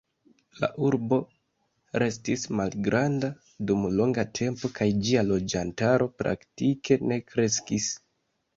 La urbo restis malgranda dum longa tempo kaj ĝia loĝantaro praktike ne kreskis.